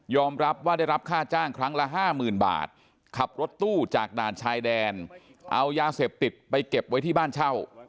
รับว่าได้รับค่าจ้างครั้งละห้าหมื่นบาทขับรถตู้จากด่านชายแดนเอายาเสพติดไปเก็บไว้ที่บ้านเช่า